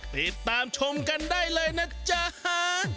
ติดตามชมกันได้เลยนะจ๊ะ